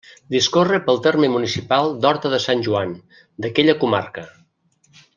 Discorre pel terme municipal d'Horta de Sant Joan, d'aquella comarca.